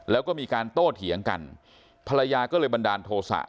แล้วก็มีการโต้เถียงกันภรรยาก็เลยบันดาลโทษะ